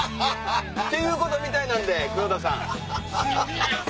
ということみたいなんで黒田さん。